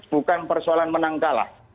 bukan persoalan menang kalah